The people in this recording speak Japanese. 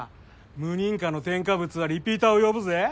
無認可の添加物はリピーターを呼ぶぜ。